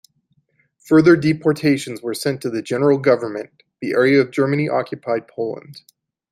Further deportations were sent to the General Government, the area of Germany-occupied Poland.